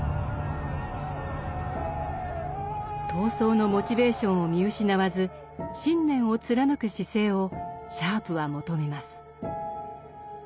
闘争のモチベーションを見失わず信念を貫く姿勢をシャープは求めます。